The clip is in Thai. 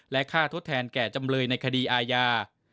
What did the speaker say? ค่าทดแทนแก่จำเลยในคดีอาญา